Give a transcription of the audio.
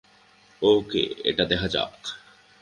ওকে, এটা দেখা যাক।